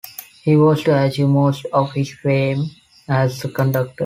He was to achieve most of his fame as a conductor.